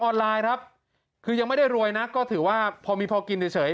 ไลน์ครับคือยังไม่ได้รวยนะก็ถือว่าพอมีพอกินเฉย